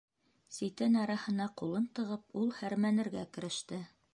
Ситән араһына ҡулын тығып, ул һәрмәнергә кереште.